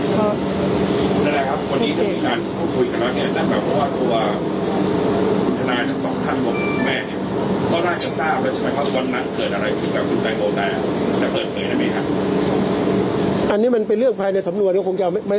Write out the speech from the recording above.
แต่เปิดเมืองนะไหมครับอันนี้มันเป็นเรื่องภายในสำรวจเขาคงจะเอาไม่ไม่